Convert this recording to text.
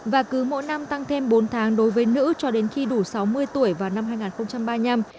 và cứ mỗi năm tăng thêm bốn tháng đối với nữ cho đến khi đủ sáu mươi tuổi vào năm hai nghìn ba mươi năm